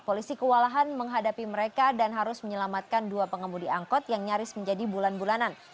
polisi kewalahan menghadapi mereka dan harus menyelamatkan dua pengemudi angkot yang nyaris menjadi bulan bulanan